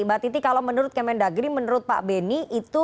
mbak titi kalau menurut kemendagri menurut pak beni itu